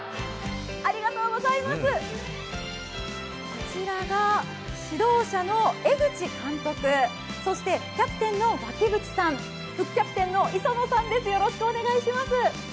こちらが指導者の江口監督、そしてキャプテンの脇淵さん、副キャプテンの磯野さんです。